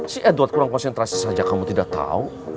si edward kurang konsentrasi saja kamu tidak tahu